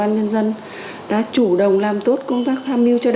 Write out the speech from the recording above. anh cho chúng tôi đo lồng độ cồn